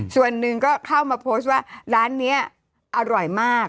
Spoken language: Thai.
ส่วนหนึ่งก็เข้ามาโพสต์ว่าร้านนี้อร่อยมาก